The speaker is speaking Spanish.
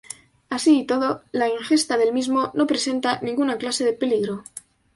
Así y todo, la ingesta del mismo no presenta ninguna clase de peligro.